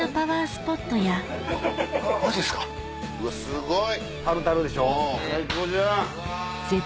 すごい！